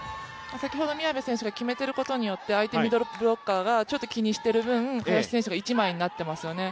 先ほど、宮部選手が決めてることによって相手ミドルブロッカーがちょっと気にしている分、林選手が一枚になっていますよね。